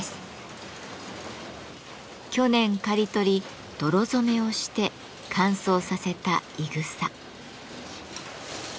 去年刈り取り泥染めをして乾燥させたいぐさ。